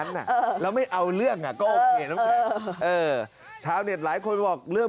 อย่าเปล่าหลง